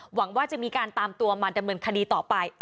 หวังว่าจะมีการตามตัวมาดำเนินคดีต่อไป